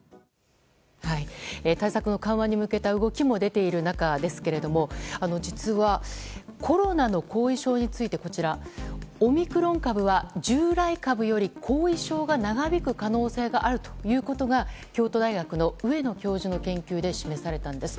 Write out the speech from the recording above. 対策の緩和に向けた動きも出ている中ですが実は、コロナの後遺症についてオミクロン株は従来株より後遺症が長引く可能性があるということが京都大学の上野教授の研究で示されたんです。